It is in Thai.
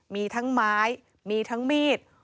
มีทั้งไม้มีทั้งมีด